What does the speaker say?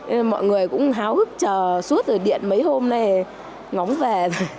nên mọi người cũng háo hức chờ suốt điện mấy hôm này ngóng về